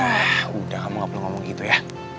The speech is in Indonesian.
wah udah kamu gak perlu ngomong gitu ya